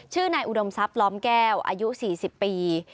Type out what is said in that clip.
นายอุดมทรัพย์ล้อมแก้วอายุ๔๐ปี